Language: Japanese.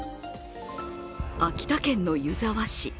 秋田県の湯沢市。